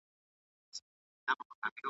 چي غلیم یې هم د سر هم د ټبر وي `